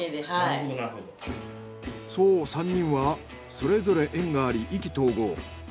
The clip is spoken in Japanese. そう３人はそれぞれ縁があり意気投合。